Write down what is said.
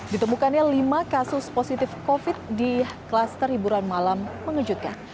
ditemukannya lima kasus positif covid di kluster hiburan malam mengejutkan